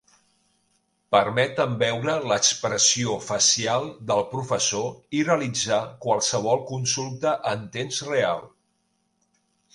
Permeten veure l'expressió facial del professor i realitzar qualsevol consulta en temps real.